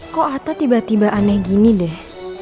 kok atta tiba tiba aneh gini deh